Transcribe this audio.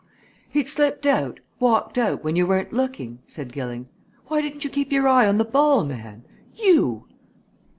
"Pooh! he'd slipped out walked out when you weren't looking!" said Gilling. "Why didn't you keep your eye on the ball, man? you!"